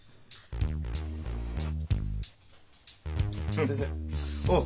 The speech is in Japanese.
先生。